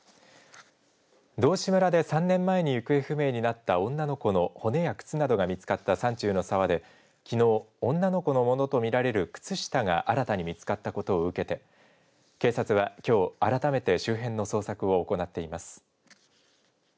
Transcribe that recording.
道志村で３年前に行方不明になった女の子の骨や靴などが見つかった山中の沢できのう、女の子のものとみられる靴下が新たに見つかったことを受けて警察はきょう改めて周辺の捜索を行っています。